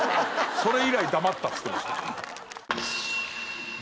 「それ以来黙った」っつってました。